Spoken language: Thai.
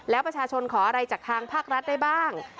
แล้วประชาชนขออะไรจากทางภาครัฐได้บ้าง